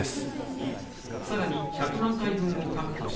さらに１００万回分を確保し、